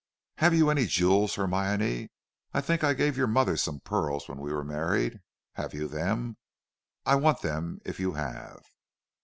"'Have you any jewels, Hermione? I think I gave your mother some pearls when we were married. Have you them? I want them if you have.'